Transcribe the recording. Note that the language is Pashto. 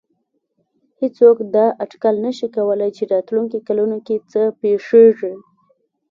هېڅوک دا اټکل نه شي کولای چې راتلونکو کلونو کې څه پېښېږي.